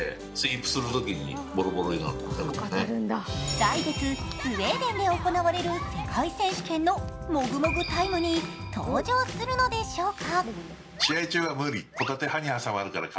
来月、スウェーデンで行われる世界選手権のもぐもぐタイムに登場するのでしょうか。